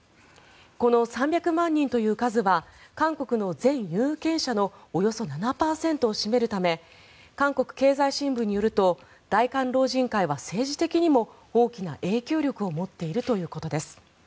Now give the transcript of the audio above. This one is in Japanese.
この３００万人という数は韓国の全有権者のおよそ７％を占めるため韓国経済新聞によると大韓老人会は政治的にも大きな影響力を持っているということです。